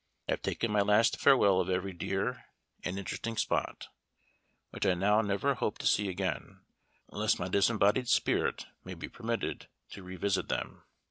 I have taken my last farewell of every dear and interesting spot, which I now never hope to see again, unless my disembodied spirit may be permitted to revisit them.